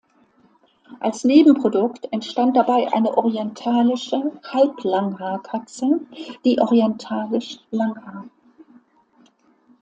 Als Nebenprodukt entstand dabei eine Orientalische Halblanghaar-Katze, die Orientalisch Langhaar.